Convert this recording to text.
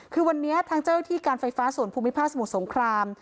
คือวันนี้ทางเจ้าที่การไฟฟ้าส่วนภูมิภาคสมุทรสงคราม